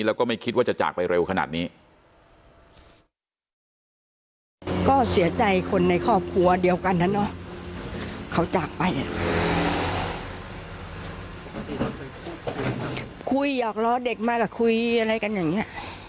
แล้วก็ไม่คิดว่าจะจากไปเร็วขนาดนี้